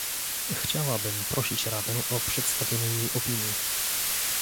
Chciałabym prosić Radę o przedstawienie jej opinii